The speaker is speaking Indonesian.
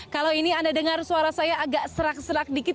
kalau ini anda dengar suara saya agak serak serak dikit